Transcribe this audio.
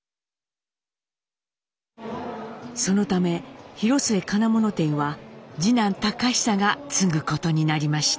そのため広末金物店は次男隆久が継ぐことになりました。